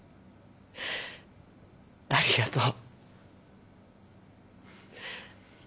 ありがとう。